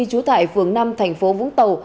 chú tại phường năm thành phố vũng tàu